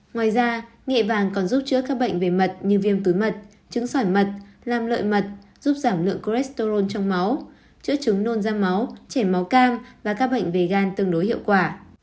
ngoài ra nghệ vàng còn giúp chữa các bệnh về mật như viêm túi mật trứng sỏi mật làm lợi mật giúp giảm lượng cholesterol trong máu chữa trứng nôn ra máu chảy máu cang và các bệnh về gan tương đối hiệu quả